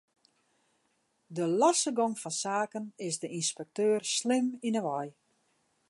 De losse gong fan saken is de ynspekteur slim yn 'e wei.